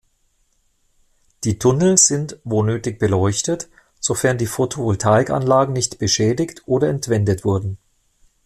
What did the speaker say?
Die Tunnel sind wo nötig beleuchtet, sofern die Photovoltaikanlagen nicht beschädigt oder entwendet wurden.